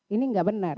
ini enggak benar